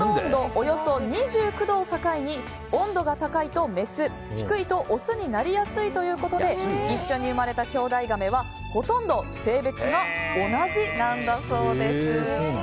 およそ２９度を境に温度が高いとメス低いとオスになりやすいということで一緒に生まれたきょうだいガメはほとんど性別が同じなんだそうです。